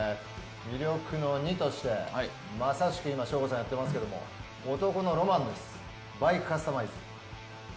魅力の２として、まさしく今省吾さんやっていますが男のロマン、バイクカスタマイズ。